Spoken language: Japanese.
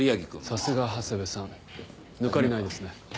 さすが長谷部さん抜かりないですね。